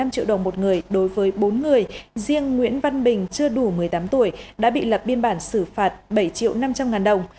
năm triệu đồng một người đối với bốn người riêng nguyễn văn bình chưa đủ một mươi tám tuổi đã bị lập biên bản xử phạt bảy triệu năm trăm linh ngàn đồng